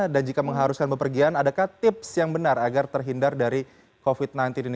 dan jika mengharuskan pepergian adakah tips yang benar agar terhindar dari covid sembilan belas ini